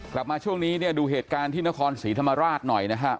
กลับมาช่วงนี้เนี่ยดูเหตุการณ์ที่นครศรีธรรมราชหน่อยนะฮะ